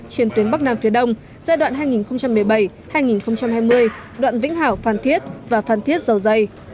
trên tuyến bắc nam phía đông giai đoạn hai nghìn một mươi bảy hai nghìn hai mươi đoạn vĩnh hảo phan thiết và phan thiết dầu dây